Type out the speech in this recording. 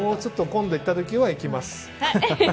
今度行った時は行きます。